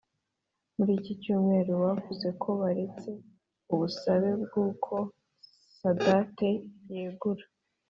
muri iki cyumweru bavuze ko baretse ubusabe bwuko sadate yegura